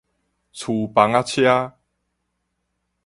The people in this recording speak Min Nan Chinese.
趨枋仔車